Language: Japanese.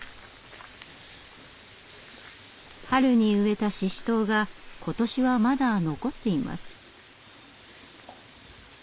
春に植えたシシトウが今年はまだ残っています。